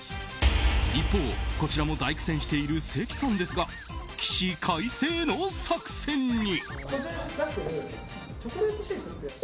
一方、こちらも大苦戦している関さんですが、起死回生の作戦に。